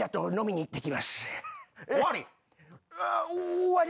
終わり。